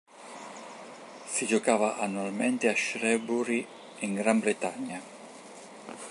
Si giocava annualmente a Shrewsbury in Gran Bretagna.